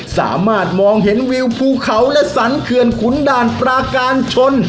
สามารถมองเห็นวิวภูเขาและสรรเขื่อนขุนด่านปราการชน